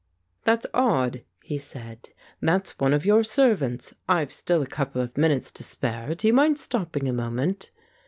"That's odd," he said. "That's one of your ser vants. I've still a couple of minutes to spare. Do you mind stopping a moment?"